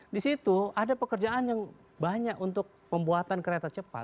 di situ ada pekerjaan yang banyak untuk pembuatan kereta cepat